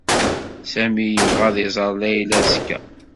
Sami yebɣa ad iẓer Layla azekka.